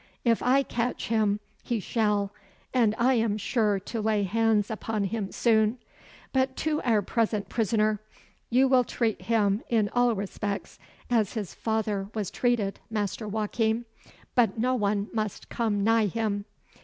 If I catch him, he shall and I am sure to lay hands upon him soon. But to our present prisoner. You will treat him in all respects as his father was treated, Master Joachim but no one must come nigh him."